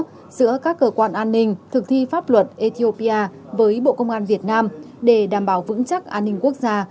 phối hợp giữa các cơ quan an ninh thực thi pháp luật ethiopia với bộ công an việt nam để đảm bảo vững chắc an ninh quốc gia